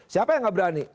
siapa yang gak berani